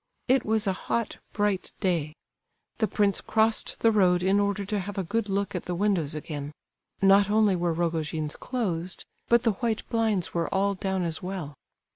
It was a hot, bright day. The prince crossed the road in order to have a good look at the windows again; not only were Rogojin's closed, but the white blinds were all down as well.